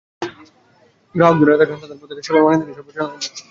গ্রাহক ধরে রাখার জন্য তাদের প্রত্যেকেই সেবার মানের দিকে সর্বোচ্চ নজর দিচ্ছে।